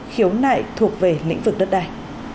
khiếu nại thuộc về lĩnh vực đất đai